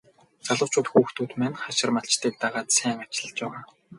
Залуучууд хүүхдүүд маань хашир малчдыг дагаад сайн ажиллаж байгаа.